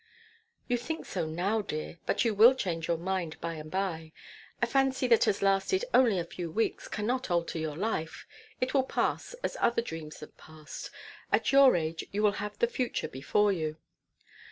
'You think so now, dear, but you will change your mind by and by. A fancy that has lasted only a few weeks cannot alter your life. It will pass as other dreams have passed. At your age you have the future before you.'